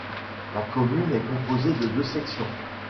La commune est composée de deux sections.